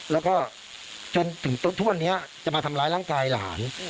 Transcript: แล้วก็จนถึงทุกวันนี้จะมาทำร้ายร่างกายหลาน